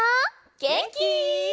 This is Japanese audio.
げんき？